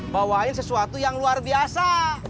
bawain sesuatu yang luar biasa